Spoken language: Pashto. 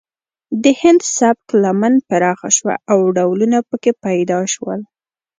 د هندي سبک لمن پراخه شوه او ډولونه پکې پیدا شول